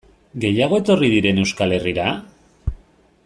Gehiago etorri diren Euskal Herrira?